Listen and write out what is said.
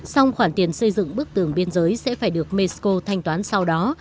xong khoản tiền xây dựng bức tường biên giới sẽ phải được mexico thanh toán sau đó